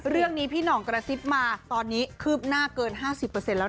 เรื่องนี้พี่หนองกระซิบมาตอนนี้คืบหน้าเกิน๕๐เปอร์เซ็นต์แล้วนะ